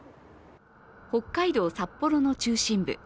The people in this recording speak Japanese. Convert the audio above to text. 北海道・札幌の中心部。